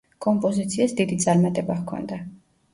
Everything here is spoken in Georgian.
კომპოზიციას დიდი წარმატება ჰქონდა.